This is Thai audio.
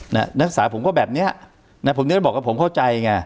นักศึกษาผมก็แบบเนี้ยนะผมจะบอกว่าผมเข้าใจไง